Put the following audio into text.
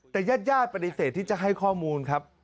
แต่ญาติญาติปฏิเสธที่จะให้ข้อมูลครับ